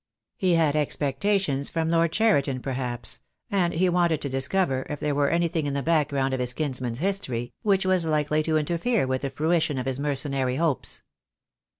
He had expectations from Lord Cheriton, perhaps, and he wanted to discover if there were any thing in the background of his kinsman's history which was likely to interfere with the fruition of his mercenary hopes.